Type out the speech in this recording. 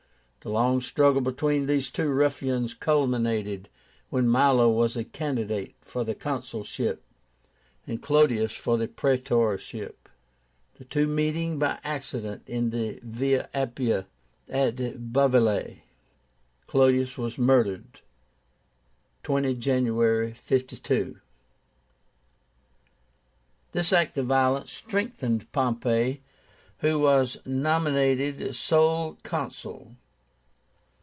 The long struggle between these two ruffians culminated when Milo was a candidate for the consulship, and Clodius for the praetorship. The two meeting by accident in the Via Appia at Bovillae, Clodius was murdered, 20 January, 52. This act of violence strengthened Pompey, who was nominated sole Consul.